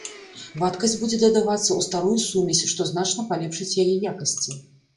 Вадкасць будзе дадавацца ў старую сумесь, што значна палепшыць яе якасці.